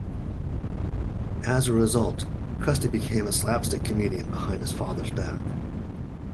As a result, Krusty became a slapstick comedian behind his father's back.